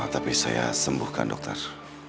tapi saya sembuhkan dokter